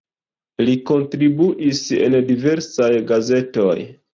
Li kontribuis en diversaj gazetoj.